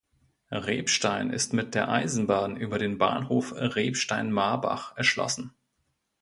Rebstein ist mit der Eisenbahn über den Bahnhof Rebstein-Marbach erschlossen.